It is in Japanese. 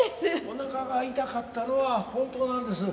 おなかが痛かったのは本当なんです。